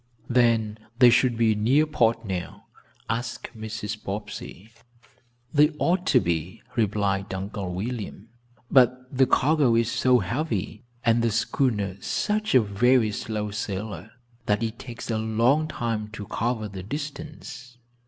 "Then they should be near port now?" asked Mrs. Bobbsey. "They ought to be," replied Uncle William, "but the cargo is so heavy, and the schooner such a very slow sailer, that it takes a long time to cover the distance."